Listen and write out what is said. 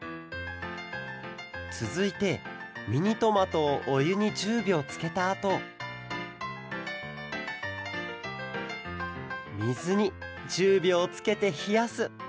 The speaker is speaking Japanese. つづいてミニトマトをおゆに１０びょうつけたあとみずに１０びょうつけてひやす。